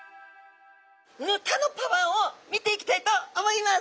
ヌタのパワーを見ていきたいと思います！